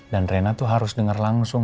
dan rena tuh harus denger langsung